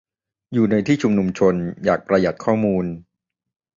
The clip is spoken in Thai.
อยู่ในที่ชุมนุมชน อยากประหยัดข้อมูล